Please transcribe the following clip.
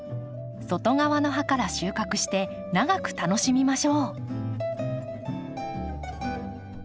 外側の葉から収穫して長く楽しみましょう。